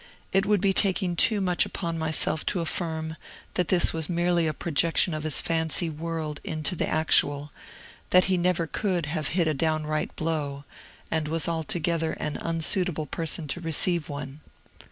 It would be taking too much upon myself to affirm that this was merely a projection of his fancy world into the actual, and that he never could have hit a downright blow, and was altogether an unsuitable person to receive one.